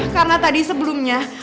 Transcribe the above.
karena tadi sebelumnya